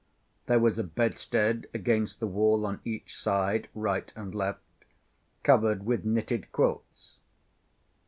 There was a bedstead against the wall on each side, right and left, covered with knitted quilts.